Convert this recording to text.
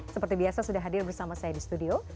seperti biasa sudah hadir bersama saya di studio